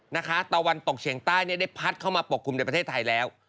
ตะวันตกเฉียงใต้เนี่ยได้พัดเข้ามาปกคลุมในประเทศไทยแล้ว